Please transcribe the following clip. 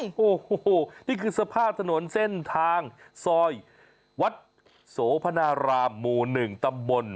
โอ้โหนี่คือสภาพถนนเส้นทางซอยวัดโสพนารามหมู่๑ตำบล